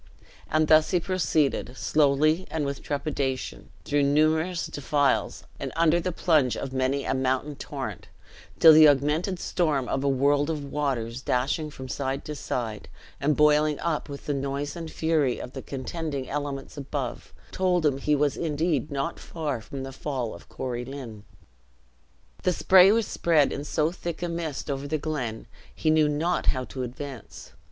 And thus he proceeded, slowly and with trepidation, through numerous defiles, and under the plunge of many a mountain torrent, till the augmented storm of a world of waters, dashing from side to side, and boiling up with the noise and fury of the contending elements above, told him he was indeed not far from the fall of Corie Lynn. The spray was spread in so thick a mist over the glen, he knew not how to advance.